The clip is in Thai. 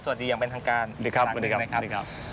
สวัสดียังเป็นทางการสวัสดีครับสวัสดีครับ